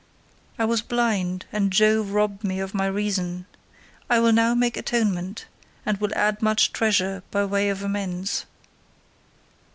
I was blind, and Jove robbed me of my reason; I will now make atonement, and will add much treasure by way of amends.